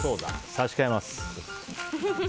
差し替えます。